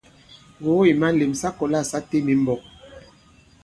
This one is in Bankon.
Ŋgògo ì malēm: sa kɔ̀la sa têm i mbɔ̄k.